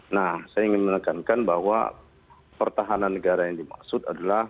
nah saya ingin menekankan bahwa pertahanan negara yang dimaksud adalah